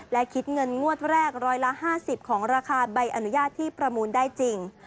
และคิดเงินงวดแรก๑๕๐ของราคาใบอนุญาตที่ประมูลได้จริง